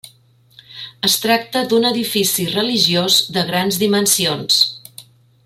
Es tracta d'un edifici religiós de grans dimensions.